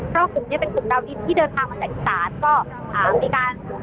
เพราะคุณเนี้ยเป็นกลุ่มดาวดินที่เดินทางวันใหญ่ศาสตร์ก็อ่ามีการ